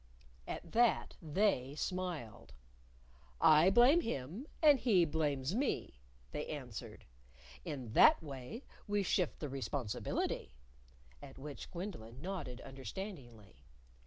At that They smiled. "I blame him, and he blames me," They answered. "In that way we shift the responsibility." (At which Gwendolyn nodded understandingly.)